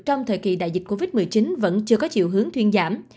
trong thời kỳ đại dịch covid một mươi chín vẫn chưa có chiều hướng thuyên giảm